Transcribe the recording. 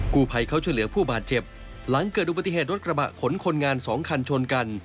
ผู้ภัยเขาช่วยเหลือผู้บาดเจ็บหลังเกิดอุบัติเหตุรถกระบะขนคนงานสองคันชนกัน